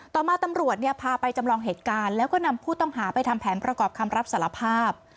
ต่อมาตำรวจเนี่ยพาไปจำลองเหตุการณ์แล้วก็นำผู้ต้องหาไปทำแผนประกอบคำรับสารภาพ